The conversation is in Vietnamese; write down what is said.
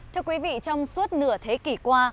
thưa quý vị trong suốt nửa thế kỷ qua